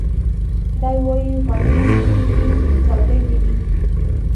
دی وايي غوړي دي وي څوکۍ دي وي